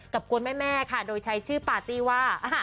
กวนแม่ค่ะโดยใช้ชื่อปาร์ตี้ว่า